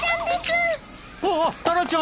ああっタラちゃん！